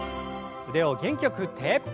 腕を元気よく振って。